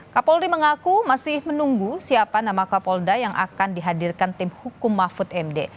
kapolri mengaku masih menunggu siapa nama kapolda yang akan dihadirkan tim hukum mahfud md